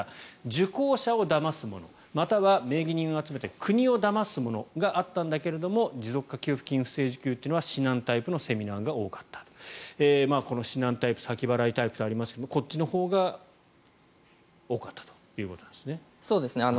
受講者をだますものまたは名義人を集めて国をだますものがあったんだけれども持続化給付金不正受給は指南タイプのセミナーが多かったこの指南タイプ先払いタイプとありますがこっちのほうが多かったということですね。